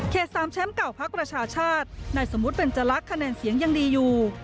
เขตสามแชมป์เก่าพักประชาชาธินายสมมุติเป็นจรักคะแนนเสียงยังดีอยู่